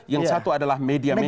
yang satu adalah media media